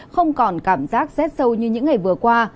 không còn cảm giác rét sâu như những ngày vừa qua